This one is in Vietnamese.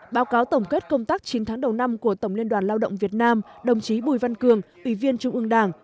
báo cáo tổng kết công tác chín tháng đầu năm của tổng liên đoàn lao động việt nam đồng chí bùi văn cường ủy viên trung ương đảng